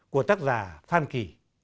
của tác giả phan kỳ